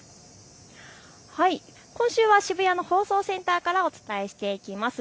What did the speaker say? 今週は渋谷の放送センターからお伝えしていきます。